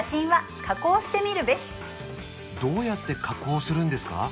どうやって加工するんですか？